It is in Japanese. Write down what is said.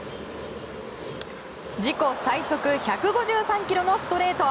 自己最速１５３キロのストレート。